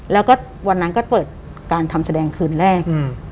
แล้วก็วันนั้นก็เปิดการทำแสดงคืนแรก